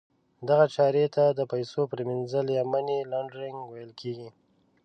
دغه چارې ته د پیسو پریمینځل یا Money Laundering ویل کیږي.